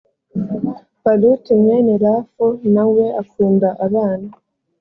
paluti mwene rafu nawe akunda abana.